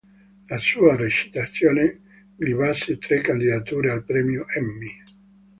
La sua recitazione gli valse tre candidature al premio Emmy.